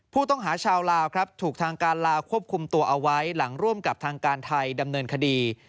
ผู้ต้องหาชาวลาวครับถูกทางการลาวควบคุมตัวเอาไว้หลังร่วมกับทางการไทยดำเนินคดี